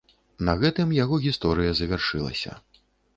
На гэтым яго гісторыя завяршылася.